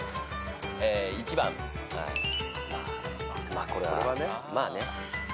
まあこれはまあね。